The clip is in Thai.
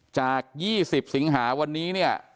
จาก๒๐สิงหาวันนี้